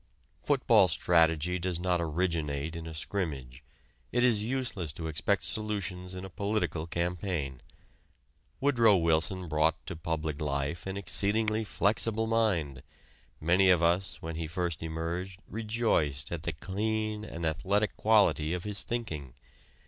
Football strategy does not originate in a scrimmage: it is useless to expect solutions in a political campaign. Woodrow Wilson brought to public life an exceedingly flexible mind, many of us when he first emerged rejoiced at the clean and athletic quality of his thinking.